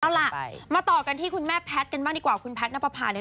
เอาล่ะมาต่อกันที่คุณแม่แพทย์กันบ้างดีกว่าคุณแพทย์นับประพาเนี่ย